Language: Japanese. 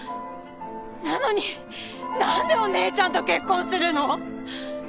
なのになんでお姉ちゃんと結婚するの！？